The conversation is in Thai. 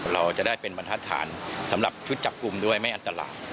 เราจะได้เป็นบรรทัศนสำหรับชุดจับกลุ่มด้วยไม่อันตราย